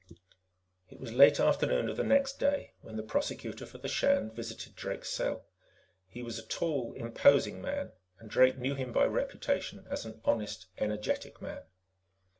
It was late afternoon of the next day when the Prosecutor for the Shan visited Drake's cell. He was a tall, imposing man, and Drake knew him by reputation as an honest, energetic man.